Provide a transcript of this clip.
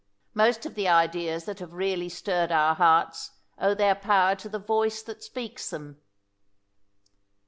Most of the ideas that have really stirred our hearts owe their power to the voice that speaks them.